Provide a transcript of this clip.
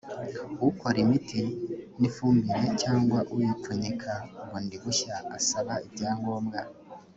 ukora imiti n’ifumbire cyangwa uyipfunyika bundi bushya asaba ibyangombwa